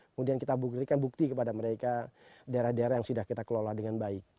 kemudian kita berikan bukti kepada mereka daerah daerah yang sudah kita kelola dengan baik